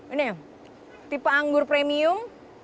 ini tipe anggur premium